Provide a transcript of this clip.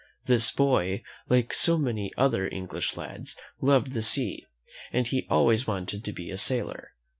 This boy, like so many other English lads, loved the sea, and he always wanted to be a sailor.